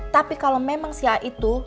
tapi kalau memang si a itu